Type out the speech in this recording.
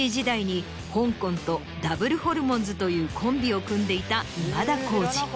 にほんこんとダブルホルモンズというコンビを組んでいた今田耕司。